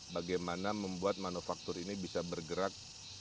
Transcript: bagaimana membuat manufaktur ini bisa bergerak